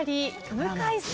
向井さん。